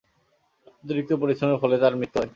অতিরিক্ত পরিশ্রমের ফলে তার মৃত্যু হয়।